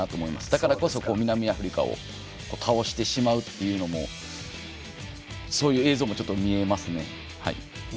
だからこそ、南アフリカを倒してしまうというのもそういう映像も見えますね。